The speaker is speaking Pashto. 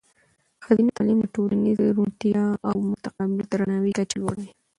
ښځینه تعلیم د ټولنیزې روڼتیا او د متقابل درناوي کچه لوړوي.